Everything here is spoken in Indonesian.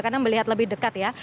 saya akan melihat lebih dekat ya